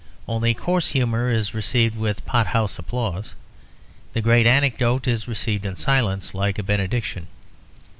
Only coarse humour is received with pot house applause. The great anecdote is received in silence, like a benediction.